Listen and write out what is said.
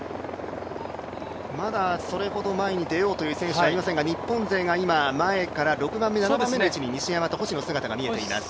まだ、それほど前に出ようという選手はいませんが日本勢が前から６番目、７番目の位置に西山と星の姿が見えています。